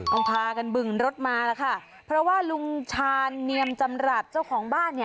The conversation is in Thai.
พากันบึงรถมาแล้วค่ะเพราะว่าลุงชาญเนียมจำรัฐเจ้าของบ้านเนี่ย